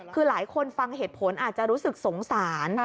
คือหลายคนฟังเหตุผลอาจจะรู้สึกสงสาร